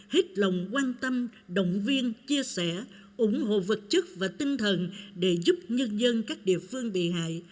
hết lòng quan tâm động viên chia sẻ ủng hộ vật chất và tinh thần để giúp nhân dân các địa phương bị hại